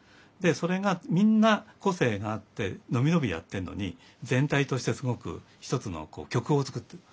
それがみんな個性があってのびのびやってるのに全体としてすごく１つの曲を作ってる。